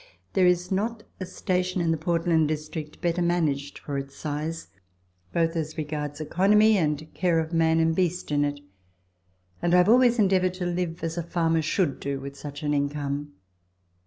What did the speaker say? There is not a station in the Portland District better managed for its size, both as regards economy and care of man and beast in it, and I have always endeavoured to live as a farmer should do with such an income.